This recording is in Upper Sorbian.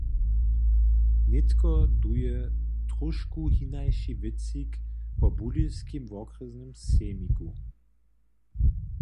Nětko duje tróšku hinaši wětřik po Budyskim wokrjesnym sejmiku.